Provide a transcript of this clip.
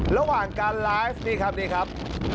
ระหว่างการไลฟ์นี่ครับนี่ครับ